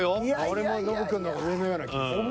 俺もノブくんの方が上のような気がするなぁ